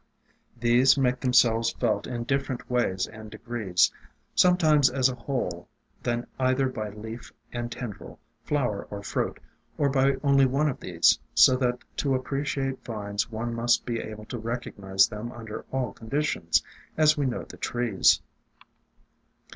These make themselves felt in different ways and degrees, sometimes as a whole, then either by leaf and ten dril, flower or fruit, or by only one of these, so that to appreciate vines one must be able to recognize them under all conditions, as we know the trees.